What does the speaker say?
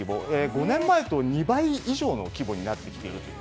５年前と２倍以上の規模になってきている。